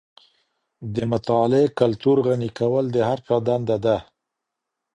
د مطالعې کلتور غني کول د هر چا دنده ده.